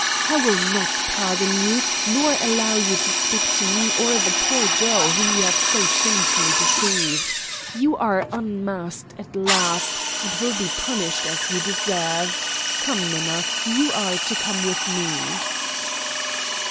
"I will not pardon you nor allow you to speak to me or to the poor girl whom you have so shamefully deceived. But you are unmasked at last, and will be punished as you deserve. Come, Minna. You are to come with me."